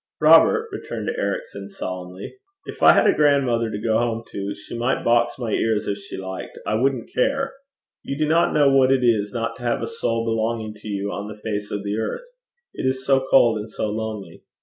'Robert,' returned Ericson solemnly, 'if I had a grandmother to go home to, she might box my ears if she liked I wouldn't care. You do not know what it is not to have a soul belonging to you on the face of the earth. It is so cold and so lonely!'